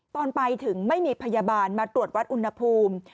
ตอนไปถึงไม่มีพยาบาลมาตรวจวัดอุณหภูมิ